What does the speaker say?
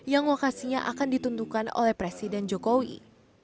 yang lokasinya akan ditentukan oleh presiden jokowi